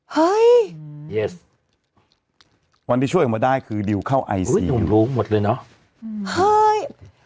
เฮ้ยวันที่ช่วยออกมาได้คือดิวเข้าไอซียูอุ้ยหนูรู้หมดเลยเนอะเฮ้ย